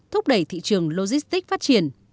thúc đẩy thị trường logistics